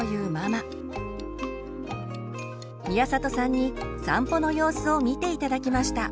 宮里さんに散歩の様子を見て頂きました。